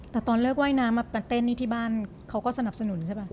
แต่ตอนเลิกว่ายน้ำมาเต้นนี่ที่บ้านเขาก็สนับสนุนใช่ป่ะ